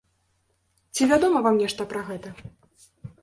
Ці вядома вам нешта пра гэта?